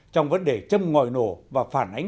trong vấn đề châm ngòi nổ và phản ánh